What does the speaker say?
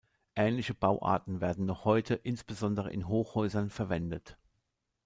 Ähnliche Bauarten werden noch heute, insbesondere in Hochhäusern verwendet.